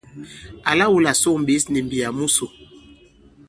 Àla wu là sôŋ ɓěs nì m̀mbiyà musò.